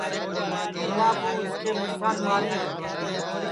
کملا کُو اُس کے مُڑسان ماری ہے